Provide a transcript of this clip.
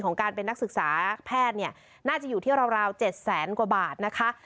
ของการเป็นนักศึกษาแพทย์เนี่ยน่าจะอยู่ที่ราว๗แสนกว่าบาทนะคะ